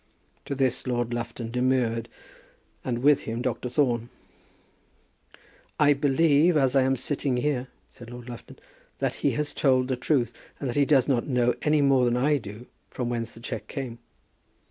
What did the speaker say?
To this Lord Lufton demurred, and with him Dr. Thorne. "I believe, as I am sitting here," said Lord Lufton, "that he has told the truth, and that he does not know any more than I do from whence the cheque came."